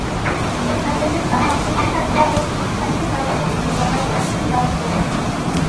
قەدىرلىك ئانا، مۇشۇ خەتتە بولسىمۇ سەندىن رازىلىق تىلىۋالاي، مەندىن رازى بولغىن.